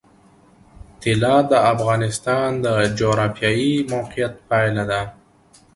طلا د افغانستان د جغرافیایي موقیعت پایله ده.